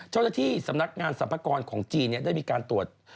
เจ้าหน้าที่สำนักงานสรรพากรของจีนได้มีการตรวจ